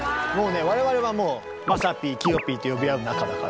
我々はもう「まさぴー」「きよぴー」って呼び合う仲だから。